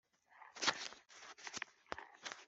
ntiritera hasi